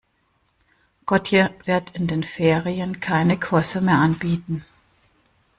Gotje wird in den Ferien keine Kurse mehr anbieten.